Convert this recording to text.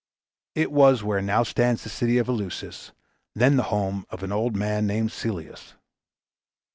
It was where now stands the city of Eleusis, then the home of an old man named Celeus.